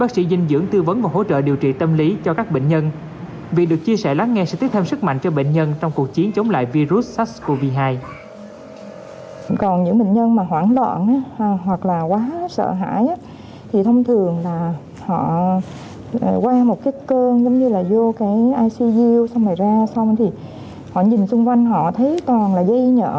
xong rồi ra xong thì họ nhìn xung quanh họ thấy toàn là dây nhợ